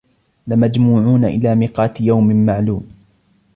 لَمَجْمُوعُونَ إِلَى مِيقَاتِ يَوْمٍ مَّعْلُومٍ